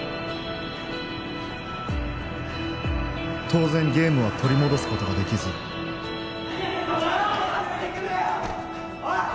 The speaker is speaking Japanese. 当然ゲームは取り戻すことができず何やってんだ！？